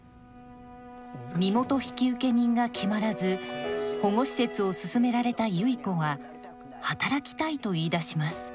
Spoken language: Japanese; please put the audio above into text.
身元引受人が決まらず保護施設をすすめられた結子は働きたいと言いだします。